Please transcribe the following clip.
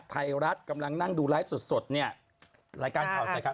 ไทยรัฐกำลังนั่งดูไลฟ์สดสดเนี่ยรายการข่าวใส่ไข่